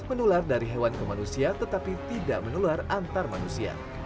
menular dari hewan ke manusia tetapi tidak menular antar manusia